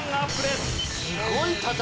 すごい戦いだな。